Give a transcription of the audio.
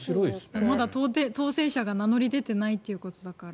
まだ当選者が名乗り出ていないということだから。